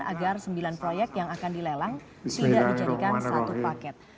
agar sembilan proyek yang akan dilelang tidak dijadikan satu paket